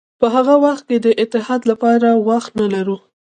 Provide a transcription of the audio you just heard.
په هغه وخت کې د اتحاد لپاره وخت نه لرو.